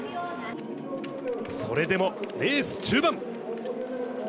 それでもレース中盤。